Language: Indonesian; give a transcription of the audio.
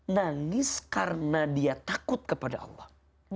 nangis karena dia takut kepada allah